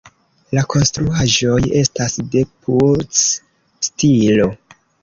La konstruaĵoj estas de Puuc-stilo.